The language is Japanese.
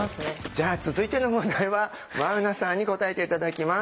じゃあ続いての問題は眞生さんに答えて頂きます。